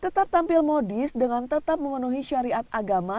tetap tampil modis dengan tetap memenuhi syariat agama